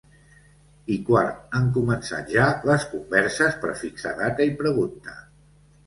I quart, han començat ja les converses per fixar data i pregunta.